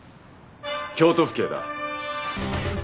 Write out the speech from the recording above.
京都府警だ。